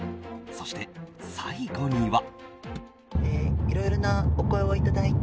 そして最後には。